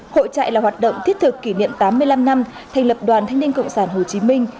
hội trại là hoạt động thiết thực kỷ niệm tám mươi năm năm thành lập đoàn thanh niên cộng sản hồ chí minh